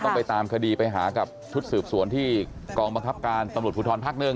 ต้องไปตามคดีไปหากับทุศืบสวนที่กองบังคับการสำรวจผู้ทอนพักนึง